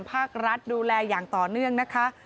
ภาครัฐดูแลอย่างต่อเนื่องนะคะ